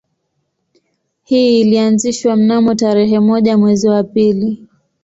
Hii ilianzishwa mnamo tarehe moja mwezi wa pili